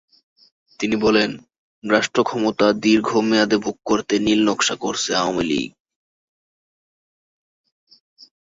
তিনি বলেন, রাষ্ট্রক্ষমতা দীর্ঘ মেয়াদে ভোগ করতে নীলনকশা করছে আওয়ামী লীগ।